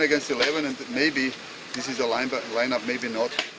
tapi kita butuh sebelas menang sebelas dan mungkin ini adalah tim lainnya mungkin tidak